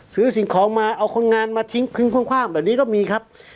สิ่งของมาเอาคนงานมาทิ้งคว่างแบบนี้ก็มีครับ